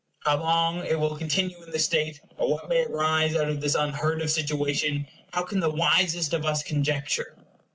How long it will continue in this state, or what may arise out of this unheard of situation, how can the wisest of us conjecture?